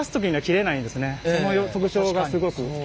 その特徴がすごく。